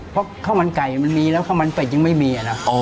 เพราะข้าวมันไก่มันมีแล้วข้าวมันเป็ดยังไม่มีนะ